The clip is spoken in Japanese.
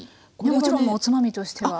もちろんおつまみとしては。